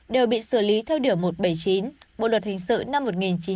đều bị xử lý theo điều một trăm bảy mươi chín bộ luật hình sự năm một nghìn chín trăm bảy mươi năm